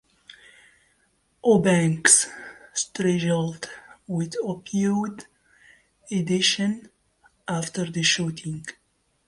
Eubanks struggled with opioid addiction after the shooting.